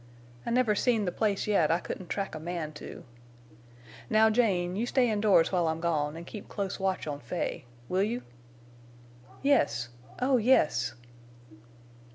I never seen the place yet I couldn't track a man to. Now, Jane, you stay indoors while I'm gone, an' keep close watch on Fay. Will you?" "Yes! Oh yes!"